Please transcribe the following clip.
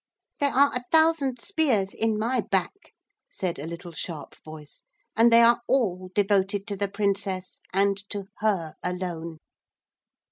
'There are a thousand spears in my back,' said a little sharp voice, 'and they are all devoted to the Princess and to her alone.'